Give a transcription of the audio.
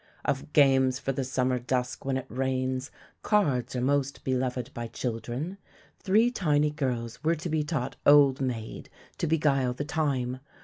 Of games for the summer dusk when it rains, cards are most beloved by children. Three tiny girls were to be taught "old maid" to beguile the time.